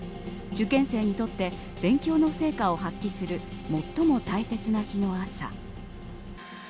受験生にとって勉強の成果を発揮する最も大切な日の朝。